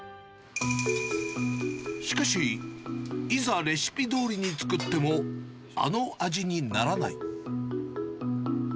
しかし、いざレシピどおりに作っても、あの味にならない。